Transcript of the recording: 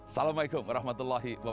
assalamualaikum wr wb